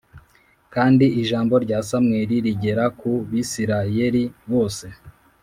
Kandi ijambo rya Samweli rigera ku bisirayeli bose